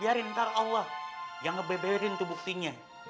biarin ntar allah yang ngebeberin tuh buktinya